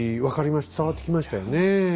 伝わってきましたよねえ。